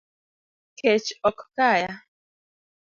Kech ok kaya